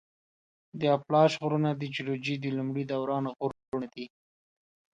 د اپلاش غرونه د جیولوجي د لومړي دوران غرونه دي.